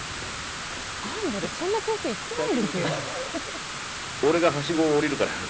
アンドレそんな遠く行ってないですよ。